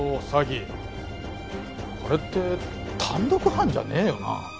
これって単独犯じゃねえよな？